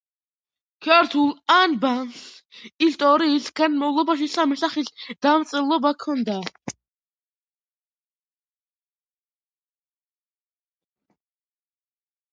ქართულ ანბანს ისტორიის განმავლობაში სამი სახის დამწერლობა ჰქონდა.